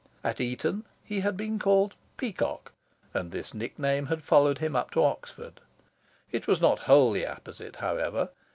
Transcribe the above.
At Eton he had been called "Peacock," and this nick name had followed him up to Oxford. It was not wholly apposite, however.